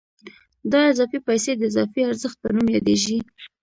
دا اضافي پیسې د اضافي ارزښت په نوم یادېږي